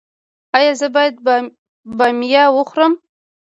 ایا زه باید بامیه وخورم؟